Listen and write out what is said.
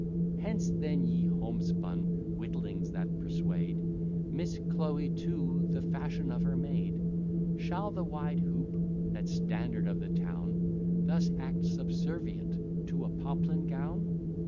Hence, then, ye homespun witlings, that persuade Miss Chloe to the fashion of her maid. Shall the wide hoop, that standard of the town, Thus act subservient to a poplin gown?